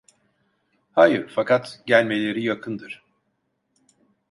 Hayır, fakat gelmeleri yakındır…